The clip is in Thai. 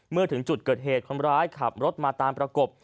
เมื่อถึงจุดเกิดเหตุคนร้ายขับรถมาตามประกบ